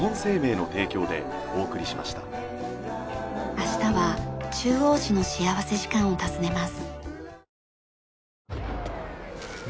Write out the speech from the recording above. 明日は中央市の幸福時間を訪ねます。